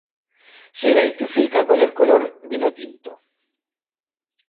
Se identifica con el color vinotinto.